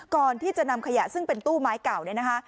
ก่อนที่จะนำขยะซึ่งเป็นตู้ไม้เก่าเนี่ยนะคะ